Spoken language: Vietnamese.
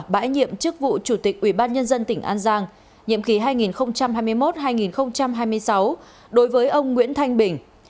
bãi nhiệm chức vụ chủ tịch ubnd tỉnh an giang nhiệm ký hai nghìn hai mươi một hai nghìn hai mươi sáu đối với ông nguyễn thanh bình